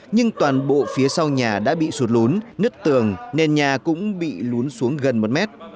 nhưng toàn bộ phía sau nhà đã bị sụt lún nứt tường nền nhà cũng bị lún xuống gần một mét